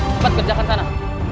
cepat kerjakan sana